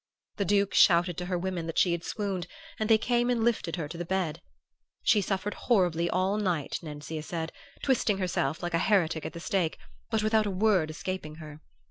"The Duke shouted to her women that she had swooned, and they came and lifted her to the bed.... She suffered horribly all night, Nencia said, twisting herself like a heretic at the stake, but without a word escaping her.